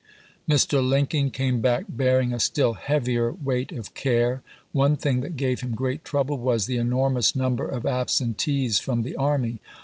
Mr. Lincoln came back bear ing a still heavier weight of care. One thing that gave him great trouble was the enormous num ber of absentees from the army.